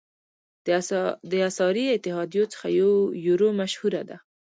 د اسعاري اتحادیو څخه یورو مشهوره ده.